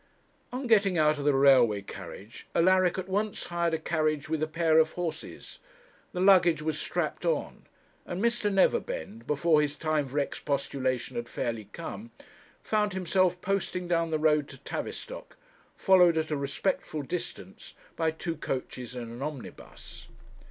On getting out of the railway carriage, Alaric at once hired a carriage with a pair of horses; the luggage was strapped on, and Mr. Neverbend, before his time for expostulation had fairly come, found himself posting down the road to Tavistock, followed at a respectful distance by two coaches and an omnibus.